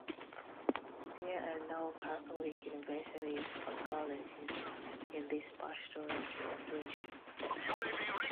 There are no Catholic universities or colleges in this Pastoral Region.